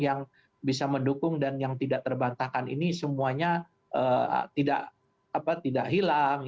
yang bisa mendukung dan yang tidak terbantahkan ini semuanya tidak hilang